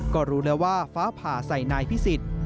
ก็รู้แล้วว่าฟ้าผ่าใส่นายพิสิทธิ์